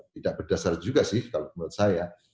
tidak berdasar juga sih kalau menurut saya